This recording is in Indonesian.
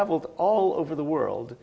dia berjalan ke seluruh dunia